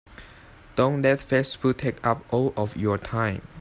Don't let Facebook take up all of your time.